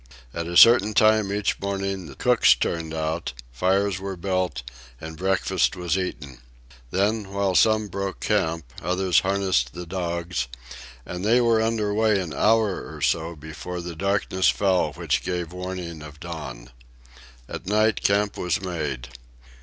At a certain time each morning the cooks turned out, fires were built, and breakfast was eaten. Then, while some broke camp, others harnessed the dogs, and they were under way an hour or so before the darkness fell which gave warning of dawn. At night, camp was made.